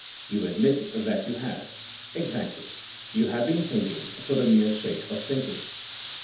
Yon admit that yoo have. Exactly. Ton have been thinking for the mere sake of thinking.